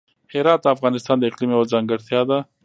هرات د افغانستان د اقلیم یوه ځانګړتیا ده.